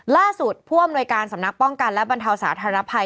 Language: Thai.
ผู้อำนวยการสำนักป้องกันและบรรเทาสาธารณภัย